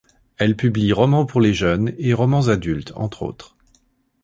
Elle publie romans pour les jeunes et romans adultes entre autres.